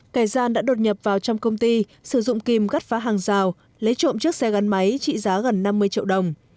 kẻ gian đã đột nhập vào trong công ty sử dụng kim gắt phá hàng rào lấy trộm chiếc xe gắn máy trị giá gần năm mươi triệu đồng